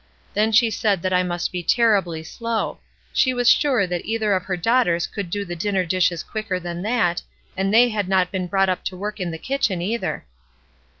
Then she said that I must be terribly slow; she was sure that either of her daughters could do the dinner dishes quicker than that, and they had not been brought up to work in the kitchen, either.